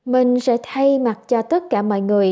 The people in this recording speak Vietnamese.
mình sẽ thay mặt cho tất cả mọi người